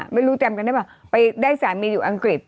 ไม่รู้จำกันได้ป่ะไปได้สามีอยู่อังกฤษ